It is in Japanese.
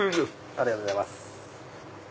ありがとうございます。